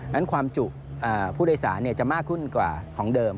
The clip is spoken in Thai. นั้นความจุผู้โดยสารจะมากขึ้นกว่าของเดิม